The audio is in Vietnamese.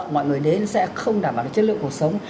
mọi người đến sẽ không đảm bảo được chất lượng cuộc sống